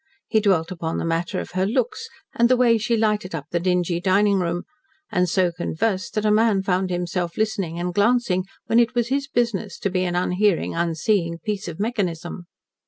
He dwelt upon the matter of her "looks," and the way she lighted up the dingy dining room, and so conversed that a man found himself listening and glancing when it was his business to be an unhearing, unseeing piece of mechanism.